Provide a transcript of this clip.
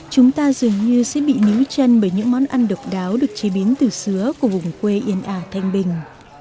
chúng ta dường như sẽ bị níu chân bởi những món ăn độc đáo được chế biến từ sứa của vùng quê yên ả thanh bình